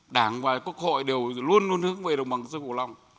đảng và quốc hội đều luôn luôn hướng về đồng bằng sơn cổ long